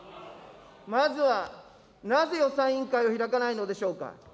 まずはなぜ予算委員会を開かないのでしょうか。